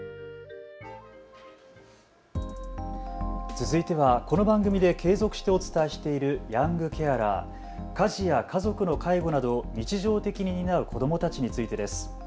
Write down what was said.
続いてはこの番組で継続してお伝えしているヤングケアラー、家事や家族の介護などを日常的に担う子どもたちについてです。